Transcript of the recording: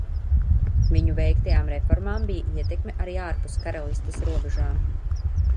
Viņu veiktajām reformām bija ietekme arī ārpus karalistes robežām.